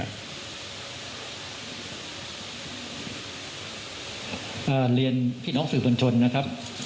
เรียนพี่น้องสื่อบนชนนะครับ